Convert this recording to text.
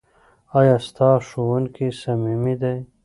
ایا ستا ښوونکی صمیمي دی؟